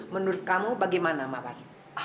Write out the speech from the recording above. menurut kamu bagaimana mawar